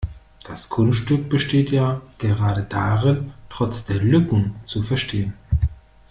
Das Kunststück besteht ja gerade darin, trotz der Lücken zu verstehen.